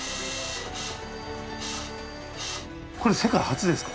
これ世界初ですか？